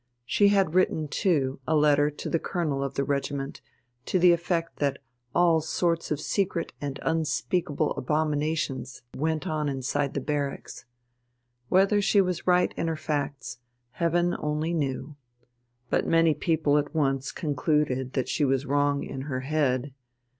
She had written too a letter to the Colonel of the regiment to the effect that all sorts of secret and unspeakable abominations went on inside the barracks. Whether she was right in her facts, heaven only knew. But many people at once concluded that she was wrong in her head.